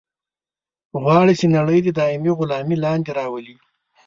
غواړي چې نړۍ د دایمي غلامي لاندې راولي.